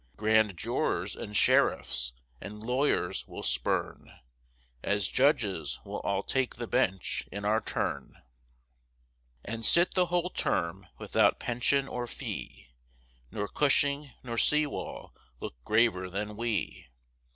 Grand jurors, and sheriffs, and lawyers we'll spurn, As judges, we'll all take the bench in our turn, And sit the whole term, without pension or fee, Nor Cushing nor Sewal look graver than we.